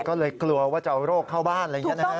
ก็เลยกลัวว่าจะเอาโรคเข้าบ้านอะไรอย่างนี้นะฮะ